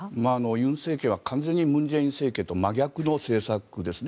尹政権は完全に文在寅政権と真逆の政策ですね。